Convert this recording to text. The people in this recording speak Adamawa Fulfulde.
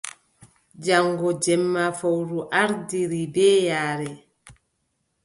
Jaŋgo jemma fowru ardiri bee yaare.